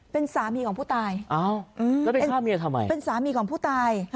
เป็นสามีของผู้ตายเป็นสามีของผู้ตาย